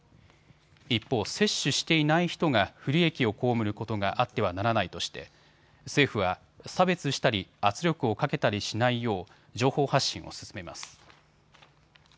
一方、接種していない人が不利益を被ることがあってはならないとして政府は差別したり、圧力をかけたりしないよう情報発信を進めます。